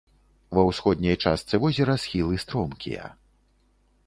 Ва ўсходняй частцы возера схілы стромкія.